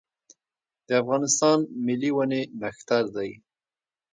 د افغانستان ملي ونې نښتر دی